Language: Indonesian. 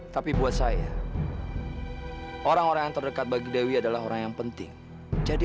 tapi buat saya orang orang yang terdekat bagi dewi adalah orang yang penting jadi